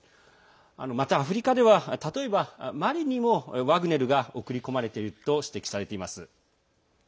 また、アフリカでは例えば、マリにもワグネルが送り込まれていると指摘されています。